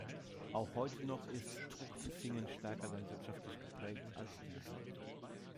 Auch heute noch ist Truchtelfingen stärker landwirtschaftlich geprägt als diese.